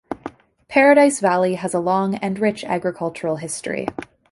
Paradise Valley has a long and rich agricultural history.